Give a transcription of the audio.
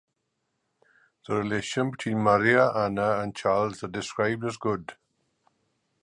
The relation between Maria Anna and Charles are described as good.